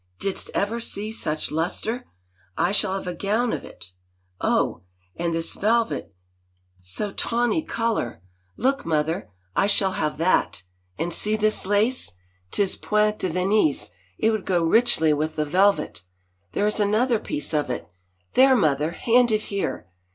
"Didst ever see such luster? I shall have a gown of it! .,. Oh, and this velvet so tawny color — look, 214 LADY ANNE ROCHFORD mother I — I shall have that. And see this lace! Tis point de Venise — it would go richly with the velvet. ... There is another piece of it — there, mother, hand it here.